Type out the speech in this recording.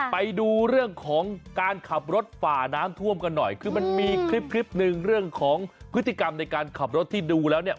ไปดูเรื่องของการขับรถฝ่าน้ำท่วมกันหน่อยคือมันมีคลิปคลิปหนึ่งเรื่องของพฤติกรรมในการขับรถที่ดูแล้วเนี่ย